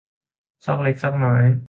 ซอกเล็กซอกน้อย